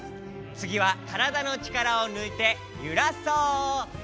つぎはからだのちからをぬいてゆらそうせの。